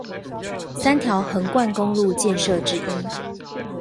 三條橫貫公路建設之一